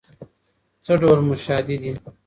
څه ډول موشادې دي؟